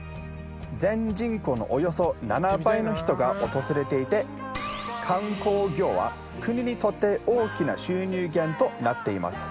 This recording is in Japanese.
全人口のおよそ７倍の人が訪れていて観光業は国にとって大きな収入源となっています。